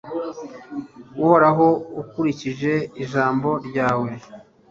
Uhoraho ukurikije ijambo ryawe